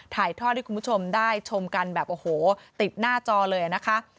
ถ่ายทอดให้คุณผู้ชมได้ชมกันแบบโอ้โหติดหน้าจอเลยนะคะ